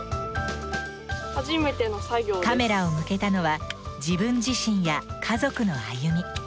カメラを向けたのは自分自身や家族の歩み。